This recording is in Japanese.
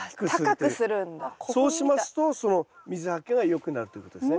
そうしますと水はけがよくなるということですね。